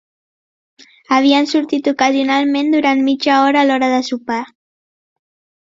Havien sortit ocasionalment durant mitja hora a l'hora de sopar.